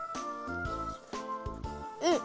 うん！